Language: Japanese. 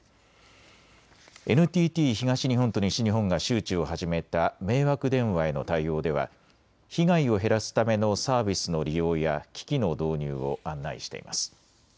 ＮＴＴ東日本と西日本が周知を始めた迷惑電話への対応では被害を減らすためのサービスの利用や機器の導入を案内しています。